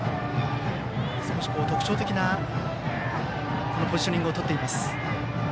少し特徴的なポジショニングをとっています。